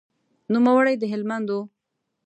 نوموړی د هلمند و.